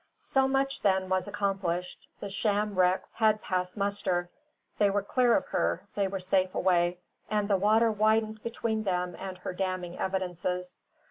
So much, then, was accomplished. The sham wreck had passed muster; they were clear of her, they were safe away; and the water widened between them and her damning evidences.